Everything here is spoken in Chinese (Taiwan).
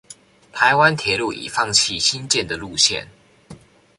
臺灣鐵路已放棄興建的路線